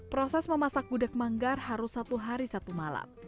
proses memasak gudeg manggar harus satu hari satu malam